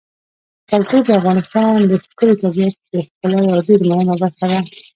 کلتور د افغانستان د ښکلي طبیعت د ښکلا یوه ډېره مهمه برخه ده.